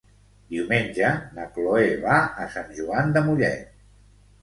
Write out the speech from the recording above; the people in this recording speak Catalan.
Diumenge na Cloè va a Sant Joan de Mollet.